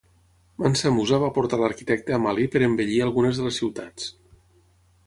Mansa Musa va portar l'arquitecte a Mali per embellir algunes de les ciutats.